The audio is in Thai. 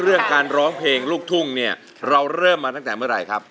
เรื่องการร้องเพลงลูกทุ่งเนี่ยเราเริ่มมาตั้งแต่เมื่อไหร่ครับ